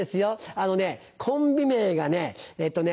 あのねコンビ名がねえっとね。